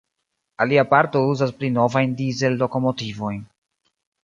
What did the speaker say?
Alia parto uzas pli novajn Dizel-lokomotivojn.